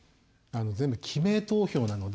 全部記名投票なので。